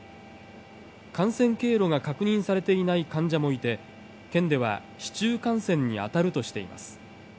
感染経路が確認されていない患者もいて、県では、市中感染に当たるとしています。